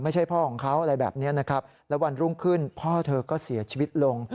พ่อของเขาอะไรแบบนี้นะครับแล้ววันรุ่งขึ้นพ่อเธอก็เสียชีวิตลง